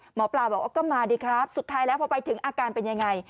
หมอปลาบอกว่าก็มาดีครับสุดท้ายแล้วพอไปถึงอาการเป็นยังไง